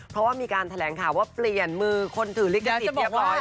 เพราะว่ามีการแถลงข่าวว่าเปลี่ยนมือคนถือลิขสิทธิ์เรียบร้อย